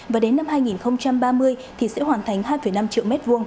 và đến năm hai nghìn ba mươi thì sẽ hoàn thành hai năm triệu m hai